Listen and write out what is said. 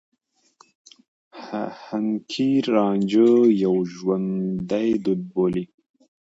حنکير رانجه يو ژوندي دود بولي.